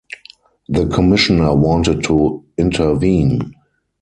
The commissioner wanted to intervene.